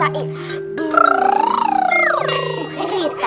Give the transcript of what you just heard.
karena mbak bejuki sudah berusaha